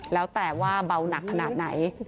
แล้วแต่ว่าเบาหนักขนาดไหน